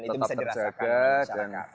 dan itu bisa dirasakan